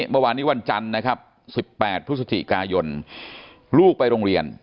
เมื่อวานนี้วันจันทร์นะครับ๑๘พฤศจิกายนลูกไปโรงเรียน